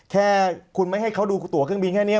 แค่คุณไม่ให้เขาดูตัวเครื่องบินแค่นี้